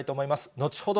後ほど